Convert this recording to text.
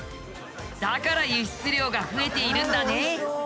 だから輸出量が増えているんだね。